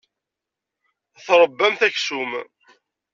Tṛebbamt aksum.